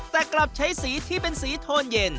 แต่กลับใช้สีที่เป็นสีโทนเย็น